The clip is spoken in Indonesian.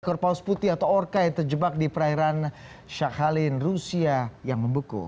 korpos putih atau orka yang terjebak di perairan syahalin rusia yang membeku